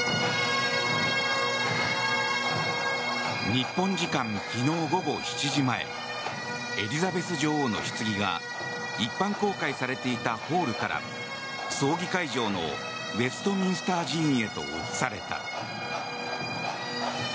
日本時間昨日午後７時前エリザベス女王のひつぎが一般公開されていたホールから葬儀会場のウェストミンスター寺院へと移された。